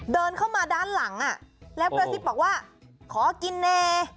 เดินเข้ามาด้านหลังแล้วกระซิบบอกว่าขอกินเน